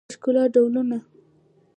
د ښکلا ډولونه